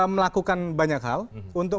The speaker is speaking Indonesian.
melakukan banyak hal untuk